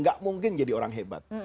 gak mungkin jadi orang hebat